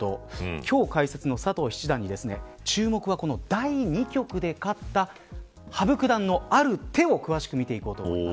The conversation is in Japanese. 今日解説の佐藤七段に注目は、第２局で勝った羽生九段のある手を詳しく見ていこうと思います。